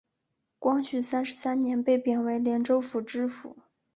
光绪三十三年被贬为廉州府知府。